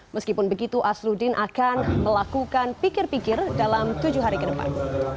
meskipun begitu asluddin akan melakukan pikir pikir dalam tujuh hari ke depan